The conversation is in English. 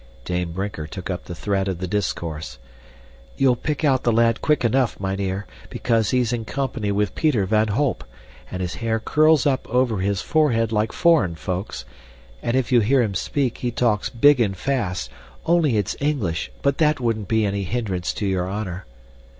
Dame Brinker took up the thread of the discourse. "You'll pick out the lad quick enough, mynheer, because he's in company with Peter van Holp, and his hair curls up over his forehead like foreign folk's, and if you hear him speak, he talks of big and fast, only it's English, but that wouldn't be any hindrance to your honor."